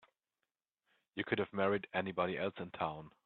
You could have married anybody else in town.